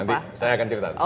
nanti saya akan cerita